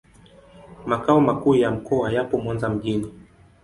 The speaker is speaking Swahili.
Makao makuu ya mkoa yapo Mwanza mjini.